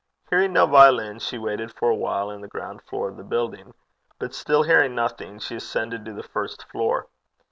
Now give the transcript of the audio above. Hearing no violin, she waited for a while in the ground floor of the building; but still hearing nothing, she ascended to the first floor.